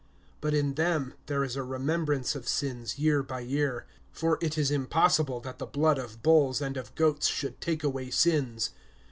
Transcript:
(3)But in them there is a remembrance of sins year by year. (4)For it is impossible that the blood of bulls and of goats should take away sins.